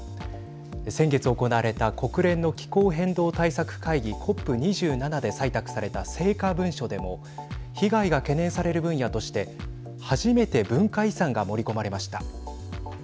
先月行われた国連の気候変動対策会議＝ＣＯＰ２７で採択された成果文書でも被害が懸念される分野として初めて文化遺産が盛り込まれました。